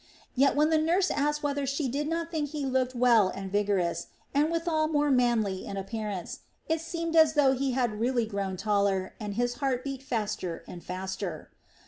Yet when the nurse asked whether she did not think he looked well and vigorous, and withal more manly in appearance, it seemed as though he had really grown taller, and his heart beat faster and faster.